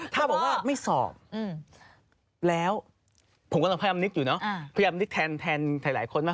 ถ้าบอกว่าไม่สอบแล้วผมกำลังพยายามนึกอยู่เนอะพยายามนึกแทนหลายคนมาก